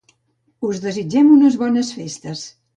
Us desitgem unes bones festes.